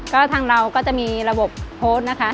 ก็ทางเราก็จะมีระบบโพสต์นะคะ